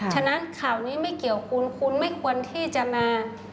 ฉะนั้นข่าวนี้ไม่เกี่ยวคุณคุณไม่ควรที่จะมา